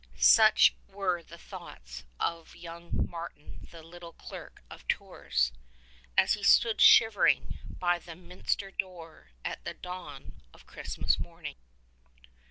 — Such were the thoughts of young Martin the little clerk of Tours, as he stood shivering by the minster door at the dawn of Christmas morning.